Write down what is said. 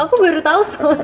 aku baru tau soalnya